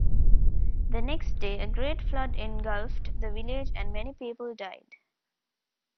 The next day, a great flood engulfed the village and many people died.